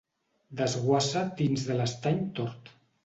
Desguassa dins de l'Estany Tort.